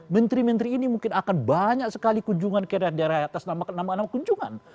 menteri menteri ini mungkin akan banyak sekali kunjungan ke daerah daerah atas nama nama kunjungan